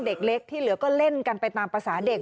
เด็กเล็กที่เหลือก็เล่นกันไปตามภาษาเด็ก